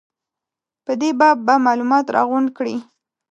په دې باب به معلومات راغونډ کړي.